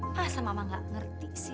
masa mama gak ngerti sih